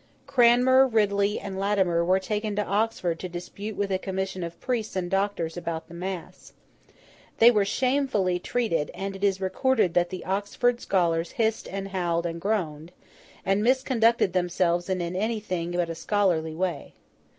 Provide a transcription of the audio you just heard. Cranmer, Ridley, and Latimer, were taken to Oxford to dispute with a commission of priests and doctors about the mass. They were shamefully treated; and it is recorded that the Oxford scholars hissed and howled and groaned, and misconducted themselves in an anything but a scholarly way.